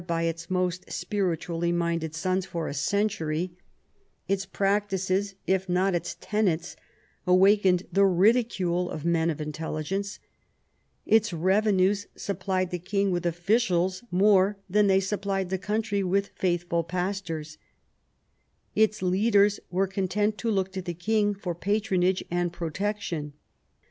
by its most spiritually minded sons for a century ; its practices, if not its tenets, awakened the ridicule of men 6f intelligence; its revenues supplied the king with officials more than they supplied the country with faith ful pastors ; its leaders were content to look to the king for patronage and protection.